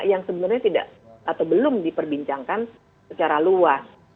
yang sebenarnya tidak atau belum diperbincangkan secara luas